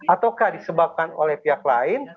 ataukah disebabkan oleh pihak lain